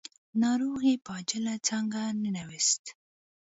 ناروغ يې په عاجله څانګه ننوېست.